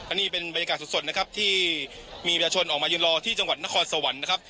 อันนี้เป็นบรรยากาศสดนะครับที่มีประชาชนออกมายืนรอที่จังหวัดนครสวรรค์นะครับ